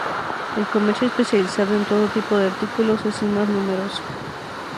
El comercio especializado en todo tipo de artículos es el más numeroso.